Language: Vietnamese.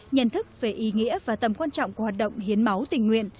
nhận thức về ý nghĩa và tầm quan trọng của hoạt động hiến máu tình nguyện